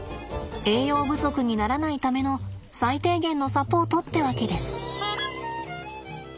栄養不足にならないための最低限のサポートってわけです。